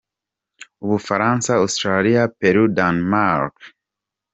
U Bufaransa, Australia, Peru, Denmark